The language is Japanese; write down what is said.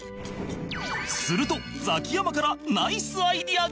するとザキヤマからナイスアイデアが